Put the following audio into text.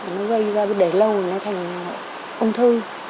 nó gây ra để lâu nó thành ung thư